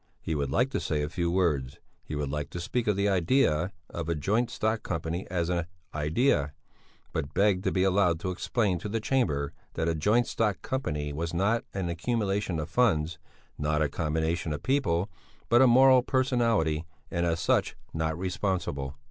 He would like to say a few words. He would like to speak of the idea of a joint stock company as an idea, but begged to be allowed to explain to the Chamber that a joint stock company was not an accumulation of funds, not a combination of people, but a moral personality, and as such not responsible....